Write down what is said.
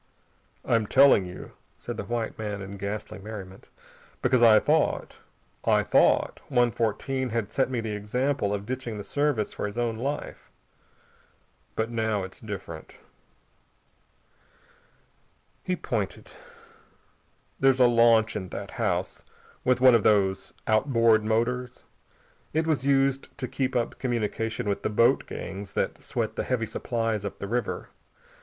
"I'm telling you," said the white man in ghastly merriment, "because I thought I thought One Fourteen had set me the example of ditching the Service for his own life. But now it's different." He pointed. "There's a launch in that house, with one of these outboard motors. It was used to keep up communication with the boat gangs that sweat the heavy supplies up the river.